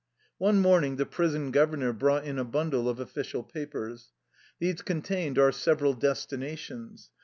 One morning the prison governor brought in a bundle of official papers. These contained our several destinations.